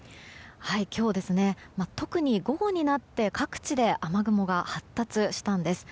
今日、特に午後になって各地で雨雲が発達したんです。